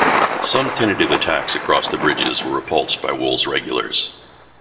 Some tentative attacks across the bridges were repulsed by Wool's regulars.